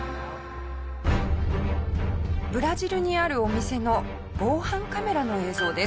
ブラジルにあるお店の防犯カメラの映像です。